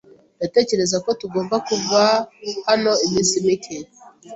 Ndatekereza ko tugomba kuva hano iminsi mike.